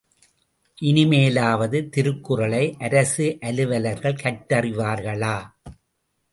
இனிமேலாவது திருக்குறளை அரசு அலுவலர்கள் கற்றறிவார்களா?